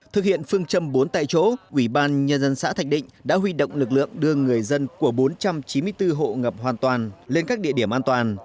thực hiện phương châm bốn tại chỗ ủy ban nhân dân xã thạch định đã huy động lực lượng đưa người dân của bốn trăm chín mươi bốn hộ ngập hoàn toàn lên các địa điểm an toàn